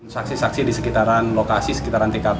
saksi saksi di sekitaran lokasi sekitaran tkp